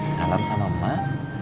salam sama emak